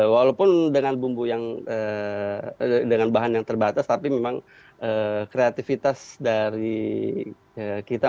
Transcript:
walaupun dengan bumbu yang dengan bahan yang terbatas tapi memang kreativitas dari kita